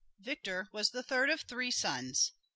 Victor was the third of three sons.